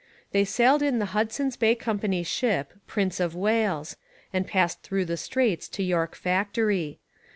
They sailed in the Hudson's Bay Company ship Prince of Wales, and passed through the straits to York Factory.